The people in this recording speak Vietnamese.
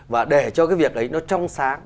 và để cho cái việc ấy nó trong sáng